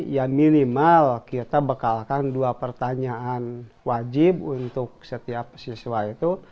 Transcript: ya minimal kita bekalkan dua pertanyaan wajib untuk setiap siswa itu